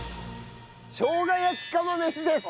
しょうが焼き釜飯です！